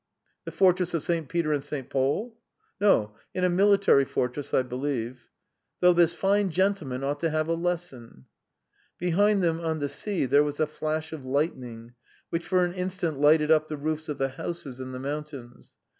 "The fortress of St. Peter and St. Paul?" "No, in a military fortress, I believe." "Though this fine gentleman ought to have a lesson!" Behind them on the sea, there was a flash of lightning, which for an instant lighted up the roofs of the houses and the mountains.